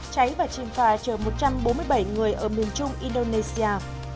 cháy và chin phà chở một trăm bốn mươi bảy người ở miền trung indonesia